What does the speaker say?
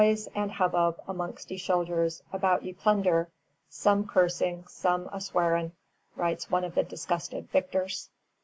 _] "A great Noys and hubbub a mongst ye Solders a bout ye Plunder; Som Cursing, som a Swarein," writes one of the disgusted victors.